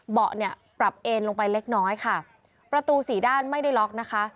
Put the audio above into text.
เบาะเนี่ยปรับเอ็นลงไปเล็กน้อยค่ะประตูสี่ด้านไม่ได้ล็อกนะคะ